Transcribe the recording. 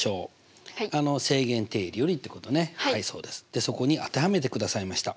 でそこに当てはめてくださいました。